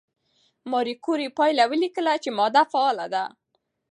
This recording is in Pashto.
ماري کوري پایله ولیکله چې ماده فعاله ده.